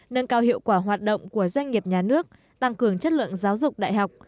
nâng cao hiệu quả hoạt động của doanh nghiệp nhà nước tăng cường chất lượng giáo dục đại học